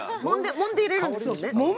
もんで入れるんですよね。